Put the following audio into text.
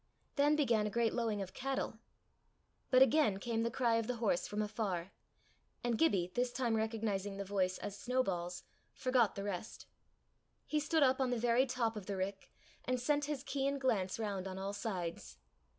Then began a great lowing of cattle. But again came the cry of the horse from afar, and Gibbie, this time recognizing the voice as Snowball's, forgot the rest. He stood up on the very top of the rick and sent his keen glance round on all sides.